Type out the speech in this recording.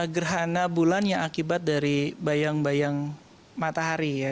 gerhana bulan yang akibat dari bayang bayang matahari ya